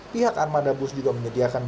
pihak armada bus juga menyediakan